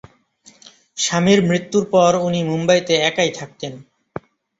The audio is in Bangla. স্বামীর মৃত্যুর পর উনি মুম্বাইতে একাই থাকতেন।